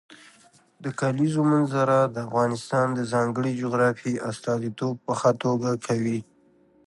د کلیزو منظره د افغانستان د ځانګړي جغرافیې استازیتوب په ښه توګه کوي.